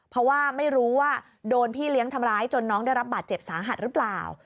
เพราะว่าไม่รู้ว่าโดนพี่เลี้ยงทำร้ายจนน้องได้รับบาดเจ็บสาหัสหรือเปล่า